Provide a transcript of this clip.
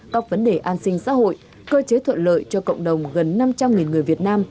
các vấn đề an sinh xã hội cơ chế thuận lợi cho cộng đồng gần năm trăm linh người việt nam